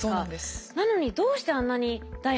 なのにどうしてあんなに大繁栄したんですか？